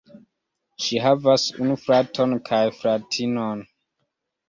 Ŝi havas unu fraton kaj fratinon.